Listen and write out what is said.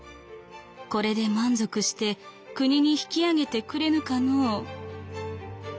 これで満足して国に引き揚げてくれぬかのう？」。